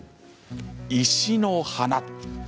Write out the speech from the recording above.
「石の花」。